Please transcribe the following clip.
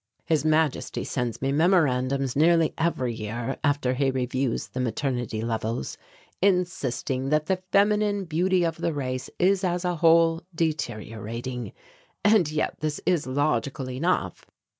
His Majesty sends me memorandums nearly every year, after he reviews the maternity levels, insisting that the feminine beauty of the race is, as a whole, deteriorating. And yet this is logical enough.